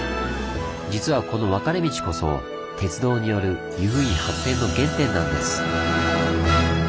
実はこの分かれ道こそ鉄道による由布院発展の原点なんです。